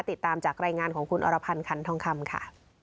ติดตามจากรายงานของคุณอรพันธ์คันทองคำค่ะ